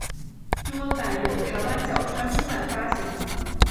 中文版由台湾角川出版发行。